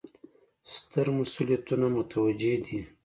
ستر مسوولیتونه متوجه دي.